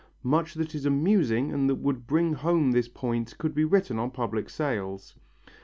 Much that is amusing and that would bring home this point could be written on public sales.